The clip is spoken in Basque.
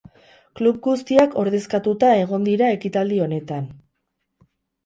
Klub guztiak ordezkatuta egon dira ekitaldi honetan.